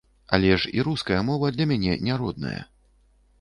Але ж і руская мова для мяне не родная.